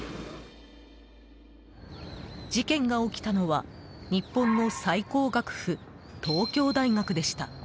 事件が起きたのは日本の最高学府・東京大学でした。